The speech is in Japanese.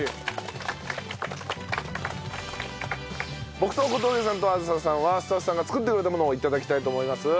僕と小峠さんと梓さんはスタッフさんが作ってくれたものを頂きたいと思います。